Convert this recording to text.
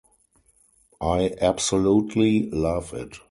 I absolutely love it.